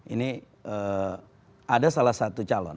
ini ada salah satu calon